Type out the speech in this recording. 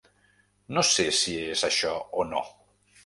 No sé si es això o no.